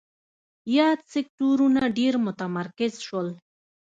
یاد سکتورونه ډېر متمرکز شول.